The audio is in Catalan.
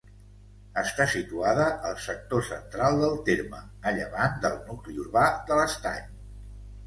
Està situada al sector central del terme, a llevant del nucli urbà de l'Estany.